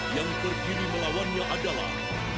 yang terkini melawannya adalah